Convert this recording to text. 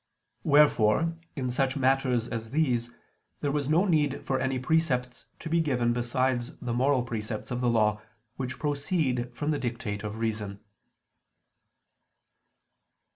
Wherefore in such matters as these there was no need for any precepts to be given besides the moral precepts of the Law, which proceed from the dictate of reason.